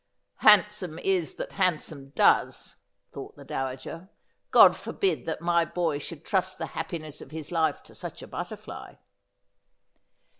' Handsome is that handsome does,' thought the dowager. ' God forbid that my boy should trust the happiness of his life to such a butterfly.'